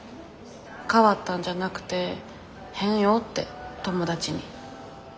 変わったんじゃなくて変よって友達に。